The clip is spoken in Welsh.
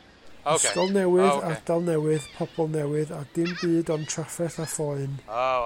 Ysgol newydd, ardal newydd, pobl newydd a dim byd ond trafferth a phoen.